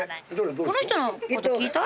この人のこと聞いた？